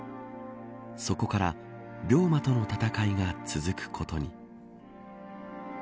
そこから病魔との闘いが続くことに。